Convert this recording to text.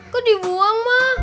kok dibuang mah